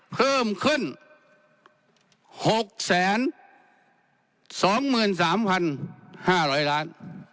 เพิ่มขึ้น๖๒๓๕๐๐ล้าน